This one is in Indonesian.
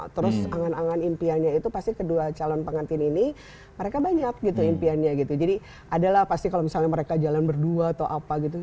terus angan angan impiannya itu pasti kedua calon pengantin ini mereka banyak gitu impiannya gitu jadi adalah pasti kalau misalnya mereka jalan berdua atau apa gitu